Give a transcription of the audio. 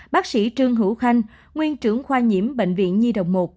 bác sĩ trương hữu khanh nguyên trưởng khoa nhiễm bệnh viện nhi đồng một